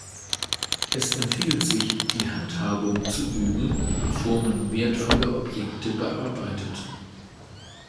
Es empfiehlt sich, die Handhabung zu üben, bevor man wertvolle Objekte bearbeitet.